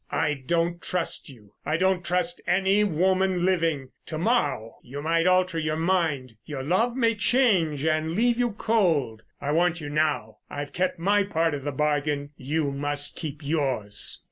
"I don't trust you; I don't trust any woman living. To morrow you might alter your mind. Your love may change and leave you cold. I want you now. I've kept my part of the bargain; you must keep yours."